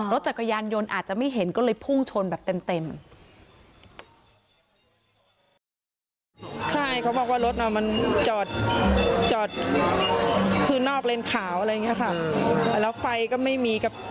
รถจักรยานยนต์อาจจะไม่เห็นก็เลยพุ่งชนแบบเต็ม